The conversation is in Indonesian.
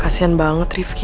kasian banget rifki